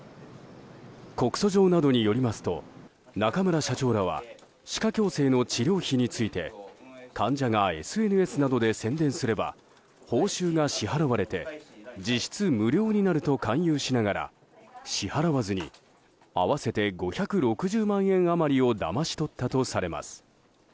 告訴状などによりますと中村社長らは歯科矯正の治療費について患者がＳＮＳなどで宣伝すれば報酬が支払われて実質無料になると勧誘しながら、支払わずに合わせて５６０万円余りをだまし取ったとされます。